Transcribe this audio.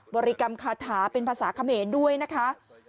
บริกรรมคาถาเป็นภาษาเขมรด้วยนะคะ